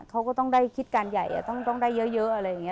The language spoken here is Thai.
เขาก็ต้องได้คิดการใหญ่ต้องได้เยอะอะไรอย่างนี้